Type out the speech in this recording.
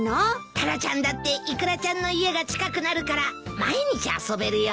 タラちゃんだってイクラちゃんの家が近くなるから毎日遊べるよ。